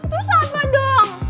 terus apa dong